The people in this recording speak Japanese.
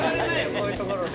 こういうところで。